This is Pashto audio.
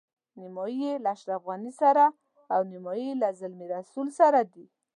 نیمایي یې له اشرف غني سره او نیمایي له زلمي رسول سره دي.